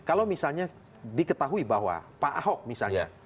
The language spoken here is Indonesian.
kalau misalnya diketahui bahwa pak ahok misalnya